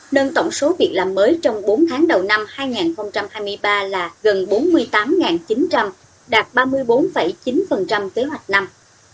nâng tổng số việc làm mới trong bốn tháng đầu năm hai nghìn hai mươi ba là gần bốn mươi tám chín trăm linh đạt ba mươi bốn chín kế hoạch năm